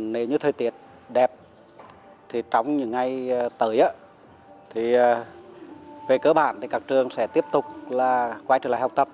nếu như thời tiết đẹp thì trong những ngày tới thì về cơ bản thì các trường sẽ tiếp tục là quay trở lại học tập